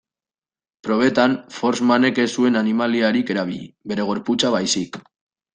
Probetan, Forssmanek ez zuen animaliarik erabili, bere gorputza baizik.